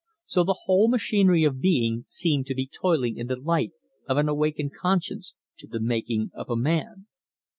So the whole machinery of being seemed to be toiling in the light of an awakened conscience, to the making of a man.